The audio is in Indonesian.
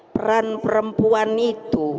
peran perempuan itu